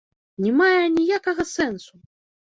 Не мае аніякага сэнсу!